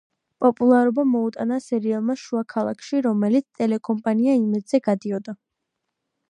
პოპულარობა მოუტანა სერიალმა „შუა ქალაქში“, რომელიც ტელეკომპანია „იმედზე“ გადიოდა.